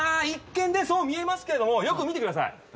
一見ねそう見えますけれどもよく見てください。